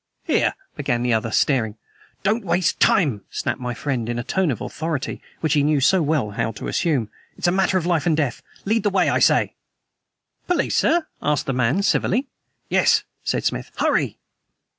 "Here " began the other, staring. "Don't waste time!" snapped my friend, in that tone of authority which he knew so well how to assume. "It's a matter of life and death. Lead the way, I say!" "Police, sir?" asked the man civilly. "Yes," said Smith; "hurry!"